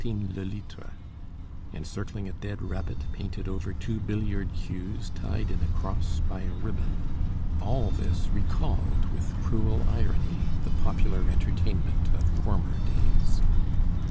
le litre" encircling a dead rabbit painted over two billiard cues tied in a cross by a ribbon, all this recalled with cruel irony the popular entertainment of former days.